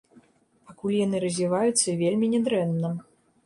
Пакуль яны развіваюцца вельмі не дрэнна.